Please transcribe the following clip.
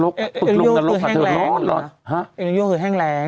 ก็แห้งแรง